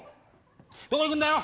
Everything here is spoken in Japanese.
どこ行くんだよ？